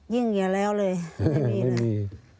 ยิ่งอย่าแล้วเลยไม่มี